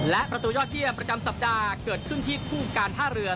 และประตูยอดเยี่ยมประจำสัปดาห์เกิดขึ้นที่คู่การท่าเรือ